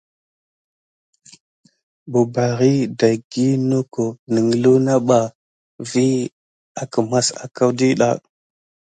Bəbara ɗaki naku neglunaba kam avalakila kidawuya.